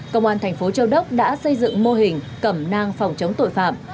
công an thành phố châu đốc đã xây dựng mô hình cẩm nang phòng chống tội phạm